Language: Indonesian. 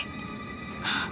makasih aja lagi